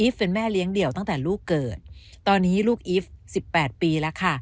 เป็นแม่เลี้ยงเดี่ยวตั้งแต่ลูกเกิดตอนนี้ลูกอีฟ๑๘ปีแล้วค่ะ